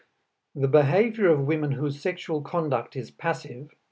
The behavior of women whose sexual conduct is passive, viz.